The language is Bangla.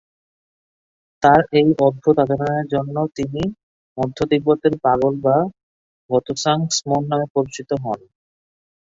তার এই অদ্ভুত আচরণের জন্য তিনি মধ্য তিব্বতের পাগল বা গ্ত্সাং-স্ম্যোন নামে পরিচিত হন।